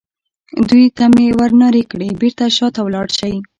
دوی ته مې ور نارې کړې: بېرته شا ته ولاړ شئ.